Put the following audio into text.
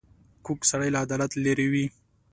کوږ سړی له عدالت لیرې وي